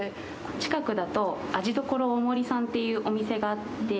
近くだと、味処大森さんていうお店があって。